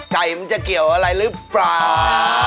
ไก่มันจะเกี่ยวอะไรหรือเปล่า